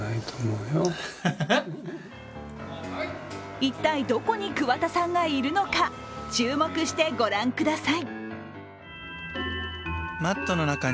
一体どこに桑田さんがいるのか、注目してご覧ください。